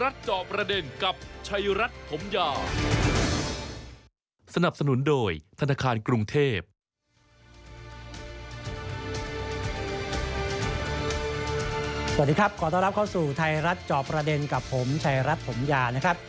สวัสดีครับขอต้อนรับเข้าสู่ไทยรัฐจอบประเด็นกับผมชายรัฐถมยานะครับ